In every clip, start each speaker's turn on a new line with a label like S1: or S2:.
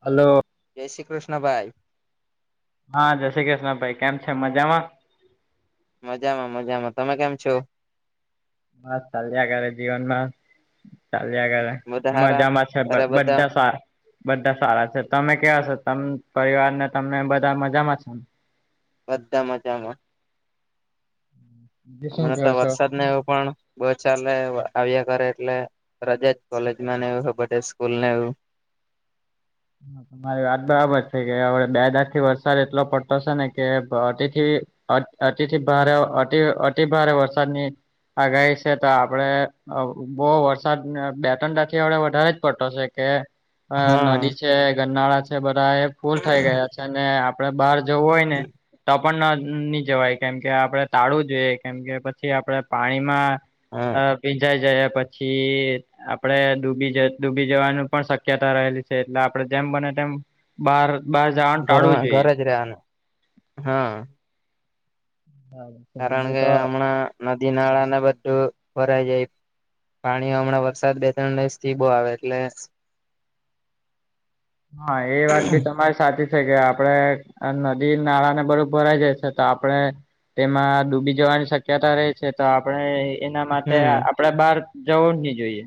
S1: Hello
S2: જય શ્રી કૃષ્ણ ભાઈ
S1: હા, જય શ્રી કૃષ્ણ ભાઈ, કેમ છે, મજામા?
S2: મજામાં મજામાં, તમે કેમ છો.
S1: મસ ચાલ્યા કરે જીવનમા ચાલ્યા કરે
S2: બધા હારા
S1: મજામાં છે, બ
S2: ઘરે બધા
S1: બધ્ધા સારા બધ્ધા સારા છે, તમે કેવા છો, તમ પરિવારને તમે બધા મજામાં છો ને
S2: બધ્ધા મજામા
S1: બીજું શું
S2: અમણાં
S1: કેવો
S2: ત
S1: છો?
S2: વરસાદ ને એવું પણ બો ચાલે વ આવ્યા કરે એટલે રજા જ કોલેજમાં ને એવું હો બધે સ્કૂલ ને એવુ
S1: હ, મારી વાત બરાબર છે, કે હવે બે દાખ થી વરસાદ એટલો પડતો છે ને કેતિથી અતિથી ભારેતિ અતિ ભારે વરસાદની આગાય છે તો આપડે બહુ વરસાદ બેટંડાથી આપડે વધારે જ પડતો છે. કે
S2: હા
S1: નદી છે ગરનાળા છે, બધા એ ફૂલ થઈ ગયા છે ને આપડે બહાર જવું હોય ને ત પણ નહી જવાય કેમકે આપણે તાળવુ જોઈએ, કેમ કે પછી આપણે પાણીમા
S2: હા
S1: અ ભીજાઈ જયા પછી આપડે ડૂબી જ ડૂબી જવાનું પણ શક્યતા રહેલી છે એટલે આપ જેમ બને તેમ બાર બાર જ ટાળવું જોઈએ
S2: [unintelligible] હા
S1: હા
S2: કારણ કે હમણાં નદી નાળા ને બધું ભરાઈ જાય પાણી હમણાં વરસાદ બે તણ દિવસ થી બો આવે એટલે
S1: હા એ વાત બી તમારી સાચી કે આપડણે નદી નાળાને બરુંબ ભરાઈ જાય છે તો આપડણે તેમાં ડૂબી જવાની શક્યતા રહે છે તો આપડણે એના માટે
S2: હમ
S1: આપડે બહાર જવું જ નહ જોઈએ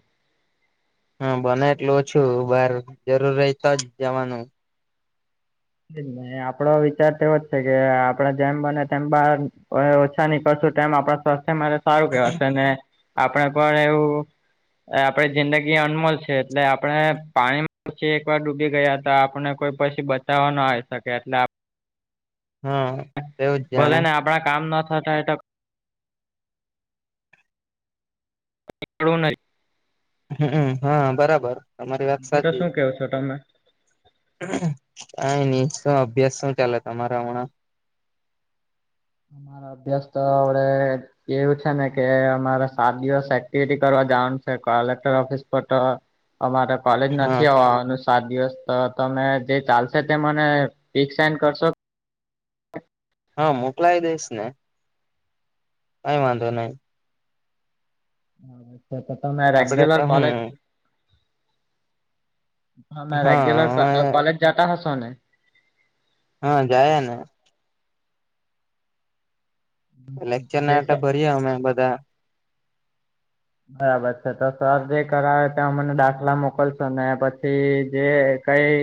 S2: હા બને એટલું ઓછું બાર જરૂર ર તો જ જવાનું
S1: આપડો વિચાર તોવો જ છે કે આપડે જેમ બને તેમ બાર ઓછા નીકળશું તેમ આપડા સ્વાસ્થ્ય માટે સારું કેવાશે ને આપડે પણ એવું આપણે જિંદગી અનમોલ છે એટલે આપણે પાણી માં પછી એકવાર ડૂબી ગયા હતા આપણે કોઈ પછી બચાવવા ના આવી શકે એટલે
S2: હા તેવું જ જાણે
S1: ભોલે ને આપડા કામ ન થતા તો નીકળવું નહી
S2: હમમ હા બરાબર તમારી વાત સાચી
S1: સુ કયો છો તમે?
S2: કઈ નહી શું અભ્યાસ શું ચાલે તમારા હમણાં
S1: મારા અભ્યાસ તો હડે એવું છે ને કે અમારે સાત દિવસ એક્ટિવિટી કરવા જવાનું છે કલેક્ટર ઓફિસ પર તો અમારે કોલેજ
S2: હા
S1: નથી આવવાવાનું સાત દિવસ તો તમે જે ચાલશે તે મને પિક સેડ કરશો
S2: હા મોકલાય દઈશ ને કઇ વાંધો નહી
S1: તો તમે
S2: આપડે
S1: રેગ્યુલર
S2: તો
S1: કોલેજ
S2: હું
S1: તમે રેગ્યુલર
S2: હા
S1: કોલેજ જતા હસો ને.
S2: હા જાય ને લેક્ચર
S1: જે
S2: ના આ ભરીએ અમે બધા
S1: બરાબર છે તો સર જે કરાવે ત્યા મને દાખલા મોકલશો ને પછી જે કઈ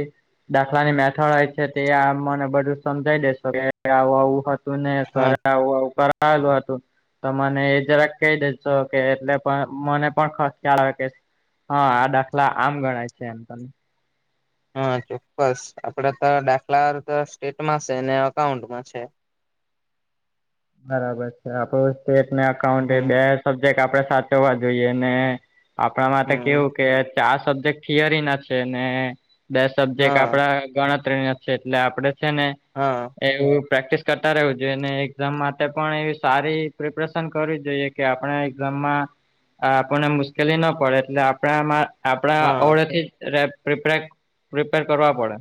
S1: દાખલાની મેથડ હોય છે તે આ મને બધું સમજાઈ દેેશો કે આવું આવું તુંને સર
S2: હા
S1: આવું કરાવેલું હતું તો મને એ જ રા કહી દેજો કે એટલે પણ મને પણ ખ્યાલ આવે કે હા આ દાખલા આમ ગણાય છે એમ તો
S2: હા ચોક્કસ આપડા તો દાખલા સ્ટેટમાં છે ને અકાઉન્ટમાં છે
S1: બરાબર છે આપડું સ્ટેટ ના અકાઉન્ટ એ
S2: હમ
S1: બેક સબ્જેક્ટ આપડે સાચવવા જોઈએ ને આપણા માટે તો
S2: હમ
S1: કેવું કે ચાર સબ્જેક્ટ થિયરી ના છે ને બે સબ્જેક્ટ
S2: હા
S1: આપડા ગણતરી ના એટલે આપડે છે ને
S2: હા
S1: એવું પ્રેક્ટિસ કરતા રહેવું જોઈએ ને એક્ઝામ માટે પણ એવી સારી પ્રિપેરેશન કરવી જોઈએ કે આપણે એક્ઝામમાં આ આપણને મુશ્કેલી ન પડે એટલે આપણે આમા આપડા
S2: હા
S1: આવડેથી પ્રિપેર કરવા પડે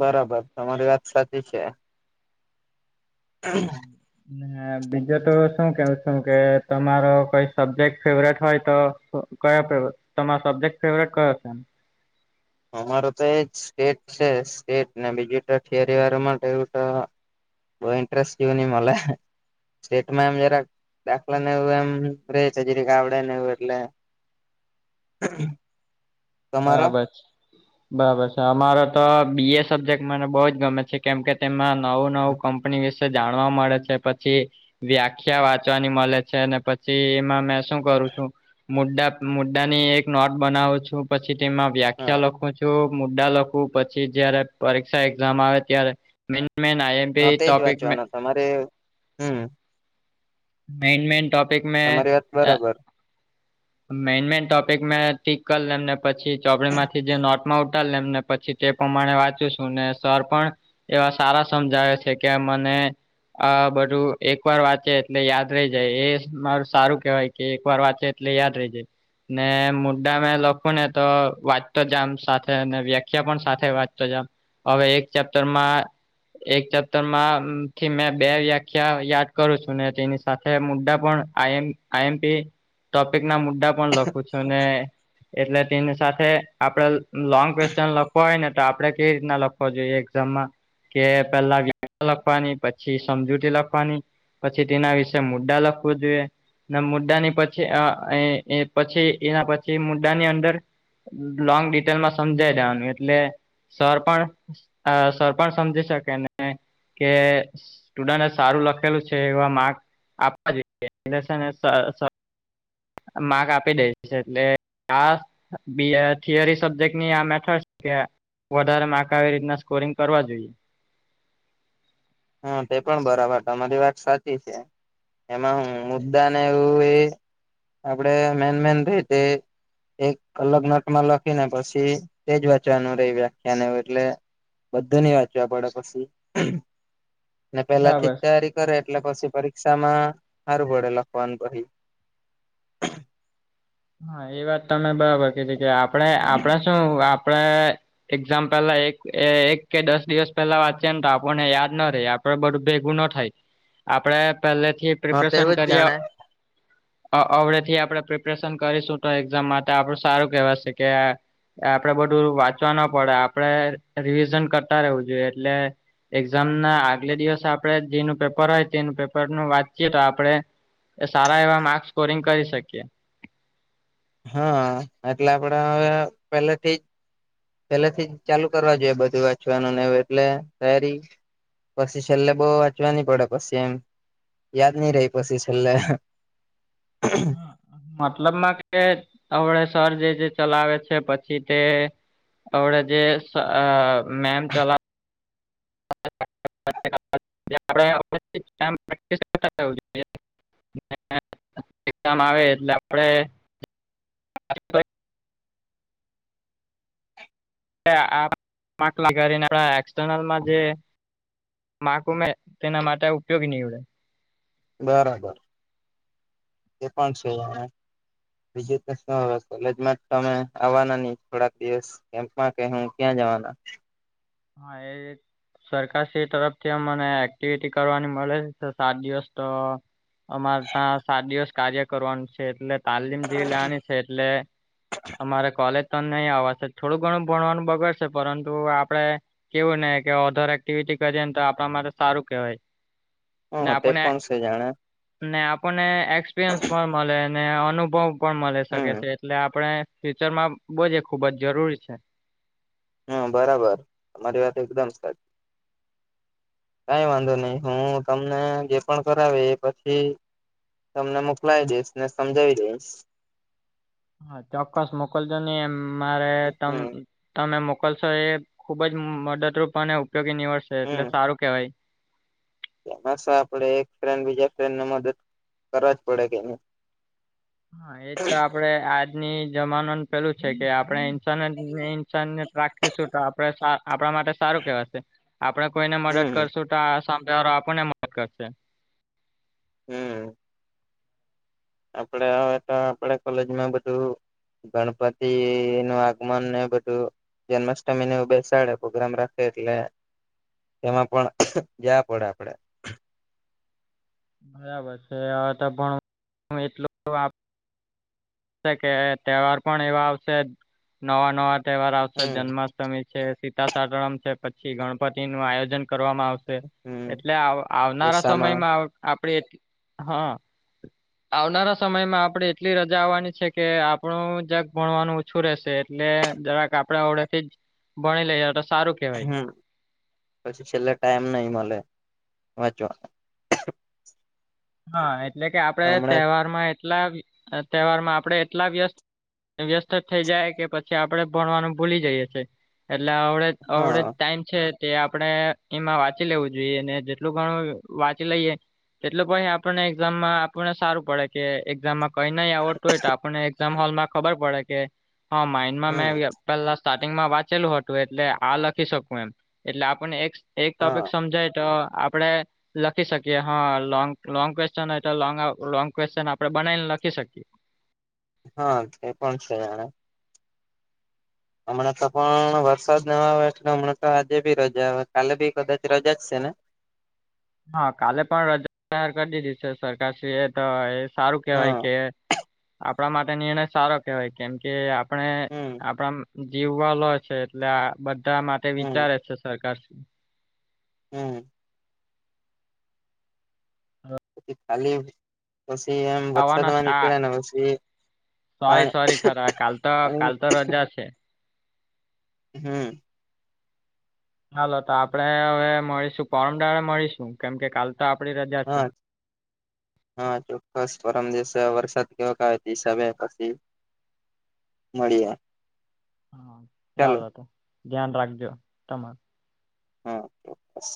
S2: બરાબર તમારી વાત સાચી છે. [inaudible]
S1: ને એ બીજો તો શું કેવું સું કે તમારો કોઈ સબ્જેક્ટ ફેવરીટ હોય તો કયો [unintelligible] તમારે સબ્જેક્ટ ફેવરીટ કયો શે એમ?
S2: અમારો તો એજ, સ્ટેટ છે, સ્ટેટ ને બીજી તો થીયરી વાળામાં થયું તો બહુ ઇન્ટરેસ્ટ જેવુ નહીં મલે. સ્ટેટમાં એમ જરા દાખલા ને એવું એમ રહે છે જીરીક આવડે ને એવું એટલે. [inaudible]
S1: હા
S2: તમારો
S1: ભાઈ. બરાબર છે. અમારો તો બી એ સબ્જેક્ટ મને બહુ જ ગમે છે, કેમ કે તેમાં નવું-નવું કંપની વિશે જાણવા મળે છે, પછી વ્યાખ્યા વાંચવાની મલે છે, અને પછી એમાં મેં શું કરું છું મુદ્દા-મુદ્દા ની એક નોટ બનાવું છું, પછી તેમાં
S2: હા
S1: વ્યાખ્યા લખું છ છું. મુદ્દા લખું પછી જયારે પરીક્ષા એક્ઝામ આવે ત્યારે મેન મેન આય
S2: હા, તેજ વાંચવાના તમારે હમ્મ.
S1: મેઈન-મેઈન ટોપિક મે
S2: તમારી વાત
S1: અહ
S2: બરાબર
S1: મેઈન-મેઈન ટોપિક મે ટીક કર લવને પછી ચોપડીમાંથી જે નોટ ઉતારી લવ ને એમને પછી તે પ્રમાણે વાંચું છું. ને સર પણ એવા સારા સમજાવે છે કે મને આ બધું એક વાર વાંચ્યે એટલે યાદ રહી જાય. એ મારું સારું કહેવાય કે એક વાર વાંચ્યે એટલે યાદ રહી જાય. ને મુદ્દા મે લખું ને તો વાંચતો જાવન સાથે ને વ્યાખ્યા પણ સાથે વાંચતો જાવ. હવે એક ચેપ્ટરમાં એક ચેપ્ટર માં થી મેં બે વ્યાખ્યા યાદ કરું છું ને તેની સાથે મુદ્દા પણ આઈ આઈ એમ પી ટોપિક ના મુદ્દા પણ લખું છું, ને એટલે તેની સાથે આપડે લોંગ ક્વેશ્ચન લખવો હોય ને તો આપડે કેવી રીતના લખ વો જોઈએ એક્ઝામમાં, કે પહેલા વ્યાખ્યા લખવાની પછી સમજૂતી લખવાની. જે તેના વિશેે મુદ્દા લખવું જોઈએ. ના મુદ્દા ની પછી અહ એ પછી એના પછી મુદ્દા ની અંદર લોંગ ડિટેલ માં સમજાઈ દેવાનું એટલે, સર પણ અહ સર પણ સમજી શકે ને કે સ્ટુડન્ટે સારું લખેલું છ એ એવા માર્ક આપવા જોઈએ, એટલે છે ને સ સર માર્ક આપી દેય છે. એટલે આ બી એ થિયરી સબ્જેક્ટ ની આ મેથડ કે વધારે માર્ક આવે એવી રીતના સ્કોરિંગ કરવા જોઈએ.
S2: હા. તે પણ બરાબર તમારી વાત સાચી છે. એમાં મુદ્દા ને એવું એ આપડે મેઈન-મેઈન છે તે એક અલગ નોટમાં લખીને પછી તેજ વાંચવાનું રહે વ્યાખ્યાને એવું એટલે બધુ નહીં વાંચવા પડે પછી. ને પહેલા થી
S1: બરાબર
S2: જ તૈયારી કરે એટલે પછી પરીક્ષામાં હારું પડે લખવાનું પછી.
S1: હા એ વાત તમે બરાબર કીધી, કે આપણે-આપણે શું આપણે એક્ઝામ પહેલા એક-એક કે દસ દિવસ પહેલા વાંચીએ ને તો આપણને યાદ ના રહે. આપ પણે બધું ભેગું ન થાય, આપણે પહેલે થી
S2: હા
S1: પ્રિપેરેશન
S2: તેવું જ
S1: કરીએ
S2: જાણે
S1: અ અવડે થી આપડે પ્રિપેશ રેશન કરીશું તો એક્ઝામ માટે આપડું સારું કેવાશે કે આપડે બધું વાંચવા ના પડે, આપડે રિવિઝન કરતા રહેવું જોઈએ એટલે એક્ઝામ ના આગલે દિવસ આપડે જેનું પેપર હોય તેનું પેપરનું વાંચીએ તો આપડે એ સારા એવા માર્ક સ્કોરિંગ કરી શકીએ.
S2: હા. એટલે આપડે હવે પહેલે થી જ પહેલેથી ચાલુ કરવા જોઈએ બધું વાંચવાનું ને એવું એટલે તૈયારી પછી છેલ્લે બહુ વાંચવા નહીં પડે પછી એમ. યાદ નહી રહી પછી છેલ્લે
S1: મતલબમાં કે અવડે સર જે જે ચલાવે છે, પછી તે અવળે જે સર અ મેમ ચલાવે [inaudible] આવે એટલે આપડે [inaudible] એસર્નલમાં જે માકું મેં તેના માટે ઉપયોગી નહીં ઉડે
S2: બરાબર એ પણ છે. બીજું તો શું હવે કોલેજ માં તમે આવવાના નહી થોડાક દિવસ કેમ્પમાં કે હું ક્યાં જવાના
S1: હા એ સરકાર શ તરફથી અમને એક્ટિવિટી કરવાની મળે સાત દિવસ તો અમારે ત્યાં સાત દિવસ કાર્ય કરવાનું છે એટલે તાલીમ જેવી લેવાની છે, એટલે અમારે કોલેજ તો નહી આવવાશે થોડું ઘણું ભણવાનુ બગડશે પરતુ આપડે કેવું ને કે ઓથર એક્ટિવિટી કરી ને તો આપણા માટે સારું કેવાય
S2: હ તે પણ છે, જાણે
S1: ને આપણને એક્સપિરિયન્સ પણ મળે ને અનુભવ પણ મળે શકે
S2: હમ
S1: છે, એટલે આપણે ફ્યુચર માં બોજ ખુબ જ જરૂરી છે.
S2: હમ બરાબર તમારી વાત એકદમ સાચી કઈ વાંધો નહી હુ, મને જે પણ કરાવે એ પછી તમને મોકલાવી દઈશ ને સમજાવી દઈશ
S1: હા ચોક્કસ મોકલજો નહી મારે તમ
S2: હમ
S1: તમે મોકલશો એ ખુબ જ મદદરૂપ અને ઉપયોગી નીવડશે એટલે
S2: હમ
S1: સારું કેહેવાય
S2: એમાં આપડે એક ફ્રેન્ડ બીજા ફ્રેન્ડને મદદ કરવા જ પડે કે
S1: હા એ તો આપણે આજની જમાનાનુ પેલુ છે, કે આપણે ઇન્સાન ને ઇન્સાનિયત રાખીશું તો આપણે સા આપણા માટે સારું કેવાશે આપડે કોઈને મદદ
S2: હમ
S1: કરશું તો આ સામે વાળો આપણને મદદ કરશે
S2: હમ્મ આપડે અ હતા આપડી કોલેજમા બધુ ગણપતિ એ આગમન ને બધુ જન્માષ્ટમી ને બેસાડે પ્રોગ્રામ રાખે એટલે એમાં પણ ગયા પડે આપડે
S1: બરાબર છ. કે તહેવાર પણ એવા આવશે નવા નવા તહેવાર આવશે
S2: હમ
S1: જન્મા છે સીતા સાતમ છે, પછી ગણપતિ નુ આયોજન કરવામાં આવશે
S2: હમ
S1: એટલે આવ આવનારા
S2: દશામાં
S1: સમયમા આપડે હ આવનારા સમયમાં આપણેે એટલી રજા આવવાની છે કે આપણું જક ભણવાનુ ઓછુ રહેશે એટલે જરાક આપણે અવળેથી જ ભણી લઈએ તો સારુ
S2: હમ પછી છેલ્લે ટાઈમ નઈ મળે વાંચવા
S1: હા એટલે કે આપડે
S2: હમણાં
S1: તહેવારમાં એટલા તહેવારમાં આપણે એટલા વ્યસ્ત વ્યસ્ત થઇ જાય કે પછી આપડે ભણવાનું ભૂલી જઈએ છીએ એટલે આવડે અવડે
S2: હા
S1: ટાઈમ છે. તે આપણે એમા વાંચી લેવું જોઈએ અને જેટલુ ઘણુ વાચી લઈએ. ભાઈ આપણને એક્ઝામમાં આપણને સારું પડે કે એક્ઝામમાં કઈ નહી આવડત હોય, તો આપણે એ હોલમાં ખબર પડે કે હા માઇન્ડમા મે
S2: હમ
S1: પેલા સ્ટાટિગમાં વાંચેલું હતુ એટલે આ લખી શકું એમ એટલે આપને એક એક ટોપિક
S2: હા
S1: સમજાય તો આપડે લખી શકીએ હા લોંગ લોંગ ક્વેશ્ચન હોય એટલે લોંગ ક્વેશ્ચન આપણે બનાવીને લખી શકીએ.
S2: હા તે પણ છે, એણે હમણાં તો પણ વરસાદ [unintelligible] હમણાં તો આજે બી રજા આવે કાલે બી કદાચ રજા જ છે ને.
S1: હા કાલે પણ રજા જાહેર કરી દીધી છે સરકારશ્રી એ તો એ સારું કેહેવાય
S2: હા
S1: કે આપણા માટે નિર્ણય સારો કેહેવાય કેમ કે અપ આપણે
S2: હમ
S1: આપણા જીવવાલો છે એટલે આ બધા મા
S2: હમ
S1: વિચાર છે સરકાર.
S2: હા.
S1: [inaudible]
S2: ખાલી પછી એમ
S1: આવવાના
S2: વરસાદમાં
S1: છે આ
S2: નીકળ્યા ને પછી
S1: સોરી સોરી ખરા કાલ તો કાલ
S2: પાણી
S1: તો રજા છે.
S2: હમ્મ.
S1: ચાલો તો આપડે હવે મળીશું પરમડાળે મળીશું કેમ કે કાલ તો આપડી રજા છે.
S2: હા હા ચોક્કસ પરમ દિવસે વરસાદ કેવક હિસાબે પછી મળીએ.
S1: હા ચાલો તો ધ્યાન રાખજો તમારુ.
S2: હા ચોક્કસ.